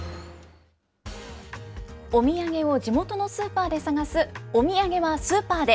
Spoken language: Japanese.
お土産を地元のスーパーで探すお土産はスーパーで！